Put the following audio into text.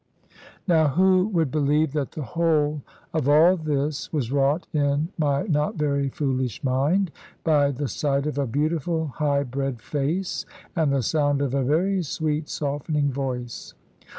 Now who would believe that the whole of all this was wrought in my not very foolish mind, by the sight of a beautiful high bred face, and the sound of a very sweet softening voice?